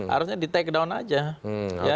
harusnya di take down aja